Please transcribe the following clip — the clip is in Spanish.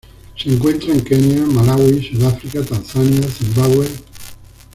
Se encuentra en Kenia, Malaui, Sudáfrica, Tanzania, Zimbabue.